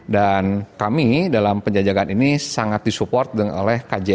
dan kami dalam penjajakan ini sangat disupport oleh kjri